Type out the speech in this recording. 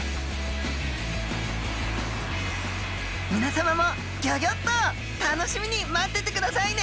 皆様もギョギョッと楽しみに待っててくださいね！